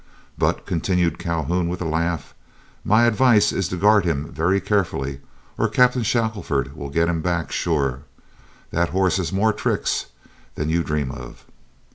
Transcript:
But," continued Calhoun, with a laugh, "my advice is to guard him very carefully, or Captain Shackelford will get him back, sure. That horse has more tricks than you dream of."